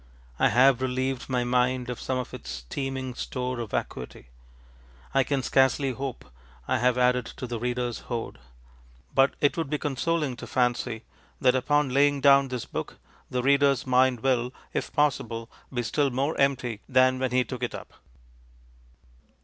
I have relieved my mind of some of its teeming store of vacuity. I can scarcely hope I have added to the readerŌĆÖs hoard. But it would be consoling to fancy that upon laying down this book the readerŌĆÖs mind will if possible be still more empty than when he took it up.